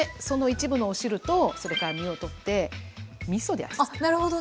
その一部のお汁とそれから身をとってみそで味つけ。